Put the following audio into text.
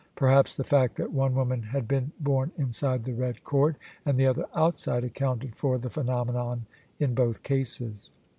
Perhaps the fact that one woman had been born inside the red cord and the other outside, accoimted for the phenomenon in both cases.